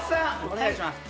お願いします